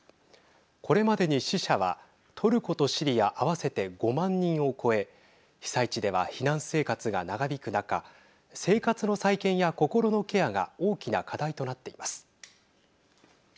これまでに死者はトルコとシリア合わせて５万人を超え被災地では避難生活が長引く中生活の再建や心のケアが大きな課題となっています。